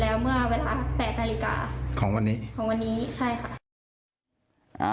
แล้วเมื่อเวลาแปดนาฬิกาของวันนี้ของวันนี้ใช่ค่ะอ่า